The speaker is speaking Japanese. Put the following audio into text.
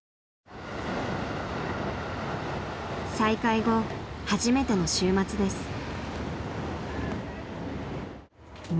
［再開後初めての週末です］